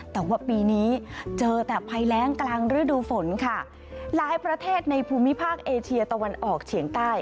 แต่ว่าปีนี้เจอแต่ภัยแรงกลางฤดูฝนค่ะหลายประเทศในภูมิภาคเอเชียตะวันออกเฉียงใต้